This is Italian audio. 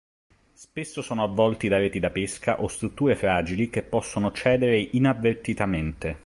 Spesso sono avvolti da reti da pesca o strutture fragili che possono cedere inavvertitamente.